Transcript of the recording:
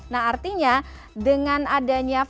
nah artinya dengan adanya